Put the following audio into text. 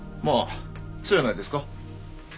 まあそやないですか？